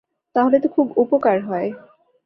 তাহলে তো খুব উপকার হয়।